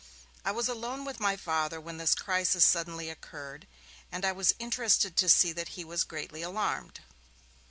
I was alone with my Father when this crisis suddenly occurred, and I was interested to see that he was greatly alarmed.